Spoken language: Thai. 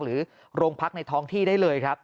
หรือโรงพักในท้องที่ได้เลยครับ